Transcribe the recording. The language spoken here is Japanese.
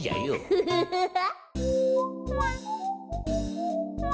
フフフフ。